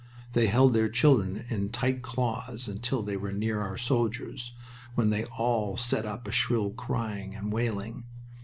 They held their children in tight claws until they were near our soldiers, when they all set up a shrill crying and wailing.